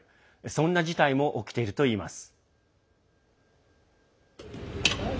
そんな事態も起きているといいます。